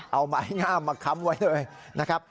เอาไม้งามมาค้ำไว้เลยนะครับ